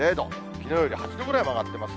きのうより８度ぐらいも上がってます。